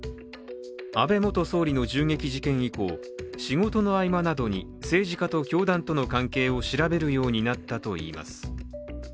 安倍元総理の銃撃事件以降仕事の合間などに政治家と教団との関係を調べるようになったといいます。